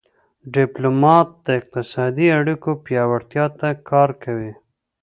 ډيپلومات د اقتصادي اړیکو پیاوړتیا ته کار کوي.